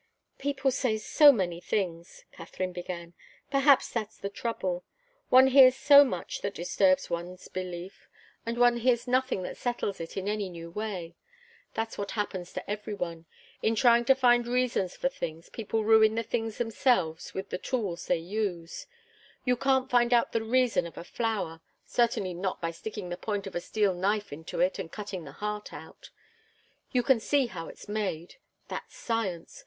"People say so many things," Katharine began. "Perhaps that's the trouble. One hears so much that disturbs one's belief, and one hears nothing that settles it in any new way. That's what happens to every one. In trying to find reasons for things, people ruin the things themselves with the tools they use. You can't find out the reason of a flower certainly not by sticking the point of a steel knife into it and cutting the heart out. You can see how it's made that's science.